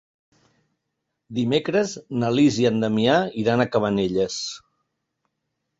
Dimecres na Lis i en Damià iran a Cabanelles.